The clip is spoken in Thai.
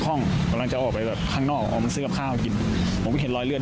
คนข้างห้อง